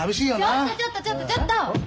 ちょっとちょっとちょっとちょっと！